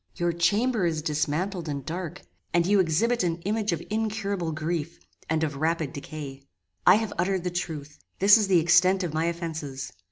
Your chamber is dismantled and dark, and you exhibit an image of incurable grief, and of rapid decay. "I have uttered the truth. This is the extent of my offences.